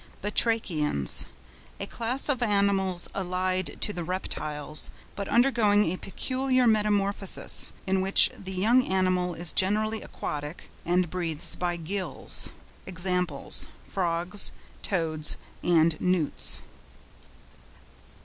BATRACHIANS.—A class of animals allied to the Reptiles, but undergoing a peculiar metamorphosis, in which the young animal is generally aquatic and breathes by gills. (Examples, Frogs, Toads, and Newts.)